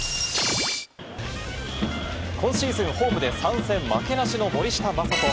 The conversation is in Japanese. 今シーズン、ホームで３戦負けなしの森下暢仁。